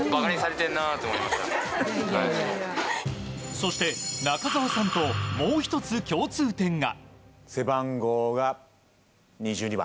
そして、中澤さんともう１つ共通点が。